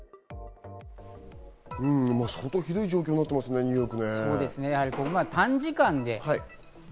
相当ひどい状況になってますね、ニューヨーク。